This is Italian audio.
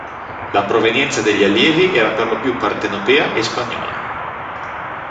La provenienza degli allievi era per lo più partenopea e spagnola.